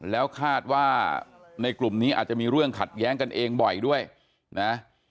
แล้วคาดว่าในกลุ่มนี้อาจจะมีเรื่องขัดแย้งกันเองบ่อยด้วยนะ